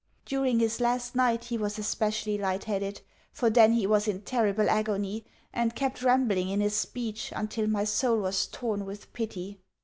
During his last night he was especially lightheaded, for then he was in terrible agony, and kept rambling in his speech until my soul was torn with pity.